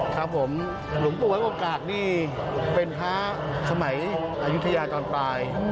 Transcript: ครับผมหลวงปู่ไว้โอกาสนี่เป็นพระสมัยอายุทยาตอนปลาย